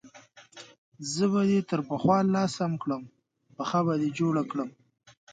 زه به دې تر پخوا لا سم کړم، پښه به دې جوړه کړم.